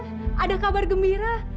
tuan ada kabar gembira